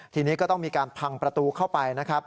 ทีนี้ก็ต้องมีการพังประตูเข้าไปนะครับ